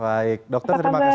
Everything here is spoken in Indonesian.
baik dokter terima kasih